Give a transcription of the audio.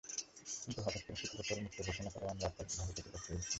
কিন্তু হঠাৎ করে সেতুকে টোলমুক্ত ঘোষণা করায় আমরা আর্থিকভাবে ক্ষতিগ্রস্ত হয়েছি।